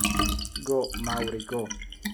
Go, Maury, Go!